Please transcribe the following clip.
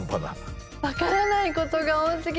分からないことが多すぎ。